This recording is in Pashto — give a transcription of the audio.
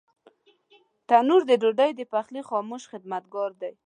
تنور د ډوډۍ د پخلي خاموش خدمتګار دی